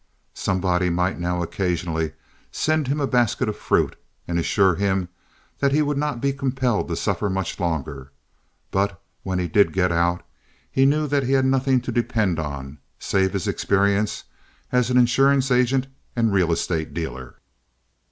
Somebody might now occasionally send him a basket of fruit and assure him that he would not be compelled to suffer much longer; but when he did get out, he knew that he had nothing to depend on save his experience as an insurance agent and real estate dealer.